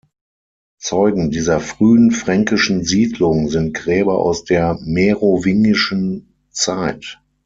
Zeugen dieser frühen fränkischen Siedlung sind Gräber aus der Merowingischen Zeit.